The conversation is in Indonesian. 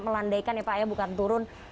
melandaikan ya pak ya bukan turun